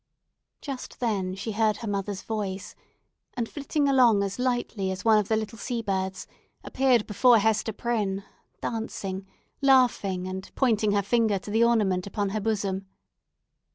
Just then she heard her mother's voice, and, flitting along as lightly as one of the little sea birds, appeared before Hester Prynne dancing, laughing, and pointing her finger to the ornament upon her bosom.